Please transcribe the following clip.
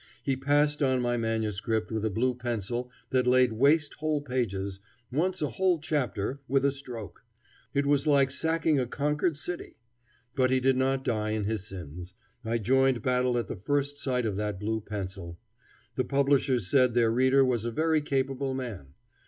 He passed on my manuscript with a blue pencil that laid waste whole pages, once a whole chapter, with a stroke. It was like sacking a conquered city. But he did not die in his sins. I joined battle at the first sight of that blue pencil. The publishers said their reader was a very capable man.